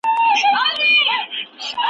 نو خورا شاعرانه کلمات .